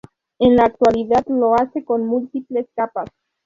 En la actualidad lo hace con múltiples capas.